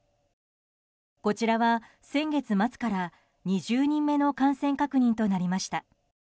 こちらは先月末から２０人目の感染確認となりました。